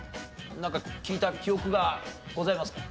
なんか聞いた記憶がございますか？